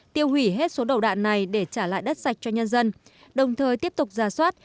tiêu hủy hết số đầu đạn này để trả lại đất sạch cho nhân dân đồng thời tiếp tục ra soát